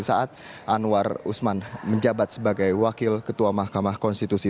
saat anwar usman menjabat sebagai wakil ketua mahkamah konstitusi